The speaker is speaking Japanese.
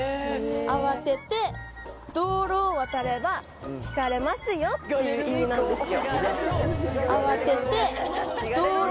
慌てて道路を渡ればひかれますよっていう意味なんですよ。